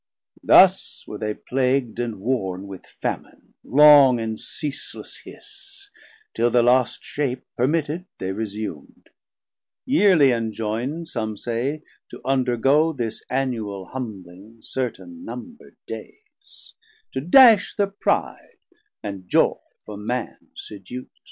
Thus were they plagu'd And worn with Famin, long and ceasless hiss, Till thir lost shape, permitted, they resum'd, Yearly enjoynd, some say, to undergo This annual humbling certain number'd days, To dash thir pride, and joy for Man seduc't.